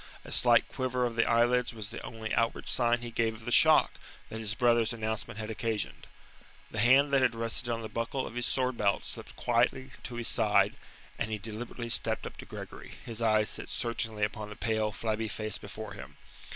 A slight quiver of the eyelids was the only outward sign he gave of the shock that his brother's announcement had occasioned. The hand that had rested on the buckle of his sword belt slipped quietly to his side, and he deliberately stepped up to Gregory, his eyes set searchingly upon the pale, flabby face before him.